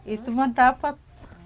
itu mah dapet